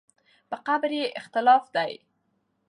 په قبر یې اختلاف دی.